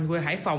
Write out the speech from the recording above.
quê hải phòng